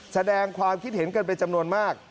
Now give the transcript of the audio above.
แสดงความคิดเห็นกันเป็นจำนวนมาก